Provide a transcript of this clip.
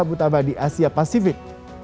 bursa sabutaba di asia pasifik